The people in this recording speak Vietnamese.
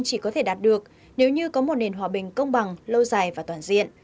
chỉ có thể đạt được nếu như có một nền hòa bình công bằng lâu dài và toàn diện